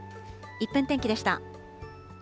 １分天気でした。